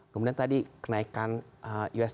kemudian tadi kenaikan usd